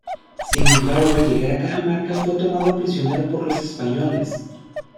Sin embargo, al llegar a Cajamarca, fue tomado prisionero por los españoles.